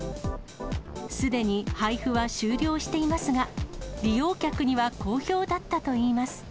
すでに配布は終了していますが、利用客には好評だったといいます。